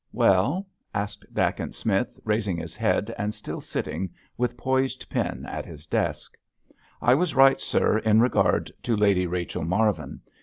"Well?" asked Dacent Smith, raising his head and still sitting with poised pen at his desk. "I was right, sir, in regard to Lady Rachel Marvin.